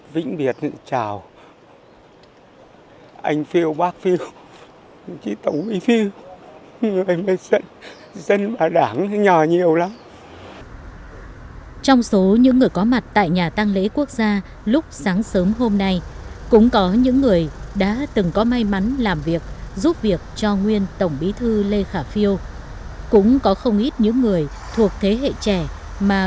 vĩnh việt chào anh phiêu bác phiêu chị tổng bí phiêu người dân và đảng nhỏ nhiều lắm